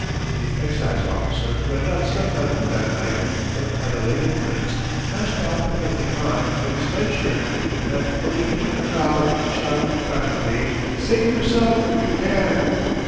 The excise officer, who had not slept at home that night, but at a lady friend's, dashed out with nothing on but his nightshirt, and running into the crowd shouted frantically: "Save yourself, if you can!"